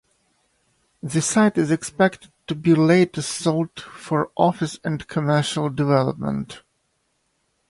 The site is expected to be later sold for office and commercial development.